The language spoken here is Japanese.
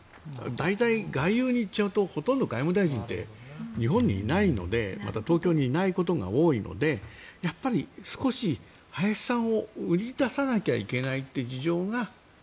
大体、外遊に行っちゃうとほとんど外務大臣って日本にいないのでまた東京にいないことが多いのでやっぱり少し林さんを売り出さなきゃいけないという事情が。